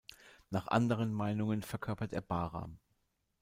Nach anderen Meinungen verkörpert er Bahram.